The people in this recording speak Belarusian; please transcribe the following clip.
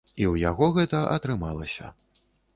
І ў яго гэта атрымалася.